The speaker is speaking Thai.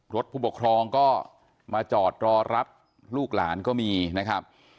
ผู้ปกครองก็มาจอดรอรับลูกหลานก็มีนะครับ